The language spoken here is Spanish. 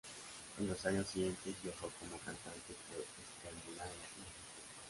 En los años siguientes viajó como cantante por Escandinavia y Egipto.